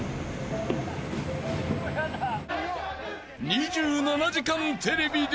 ［『２７時間テレビ』で］